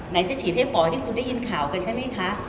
ไหนจะฉีดให้ป่อที่คุณได้ยินข่าวกันใช่ไหมคะ